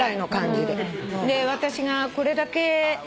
私がこれだけ。